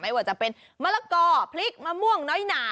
ว่าจะเป็นมะละกอพริกมะม่วงน้อยหนา